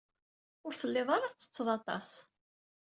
Ur tellid ara tettetted aṭas.